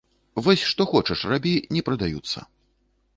Вось што хочаш рабі, не прадаюцца.